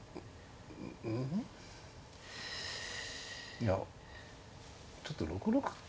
いやちょっと６六桂が。